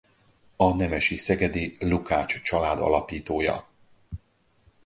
A nemesi szegedi Lukács család alapítója.